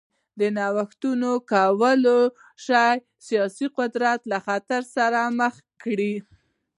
نوښتونه کولای شي سیاسي قدرت له خطر سره مخ کړي.